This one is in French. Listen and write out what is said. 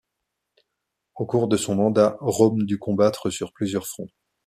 Au cours de son mandat, Rome dut combattre sur plusieurs fronts.